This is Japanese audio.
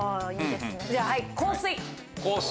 じゃはい香水。